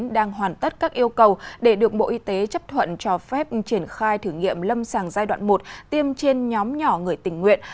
đang hoàn tất các yêu cầu để được bộ y tế chấp thuận cho phép triển khai thử nghiệm lâm sàng giai đoạn một tiêm trên nhóm nhỏ người tình nguyện